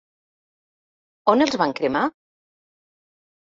On els van cremar?